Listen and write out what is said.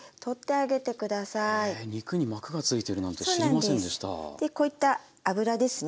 でこういった脂ですね